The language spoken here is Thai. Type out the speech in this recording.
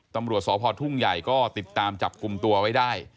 ตำรวจสพทุ่งใหญ่ก็ติดตามจับกลุ่มตัวไว้ได้